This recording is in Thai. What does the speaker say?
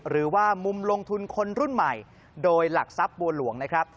หรือว่ามุมลงทุนคนรุ่นใหม่โดยหลักทรัพย์บัวหลวงนะครับ